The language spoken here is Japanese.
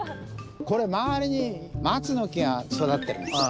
これ周りに松の木が育ってるんです。